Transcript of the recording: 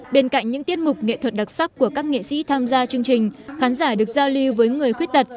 bên cạnh những tiết mục nghệ thuật đặc sắc của các nghệ sĩ tham gia chương trình khán giả được giao lưu với người khuyết tật